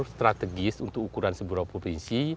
strategis untuk ukuran sebuah provinsi